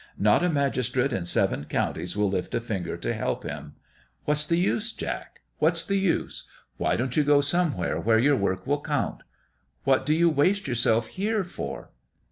Not a magistrate in seven counties will lift a finger to help him. What's the use, Jack? What's the use ? Why don't you go somewhere where your work will count ? What do you waste yourself here for?"